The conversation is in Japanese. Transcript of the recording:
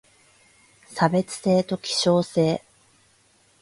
差別性と希少性